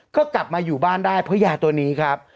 ก็กลับมาอยู่บ้านได้เพราะยาตัวนี้ครับ